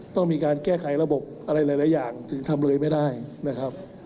ต้องมีการแก้ไขระบบอะไรหลายอย่างถึงทำเลยไม่ได้นะครับ